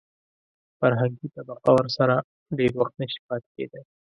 فرهنګي طبقه ورسره ډېر وخت نشي پاتې کېدای.